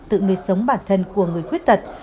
tự nuôi sống bản thân của người khuyết tật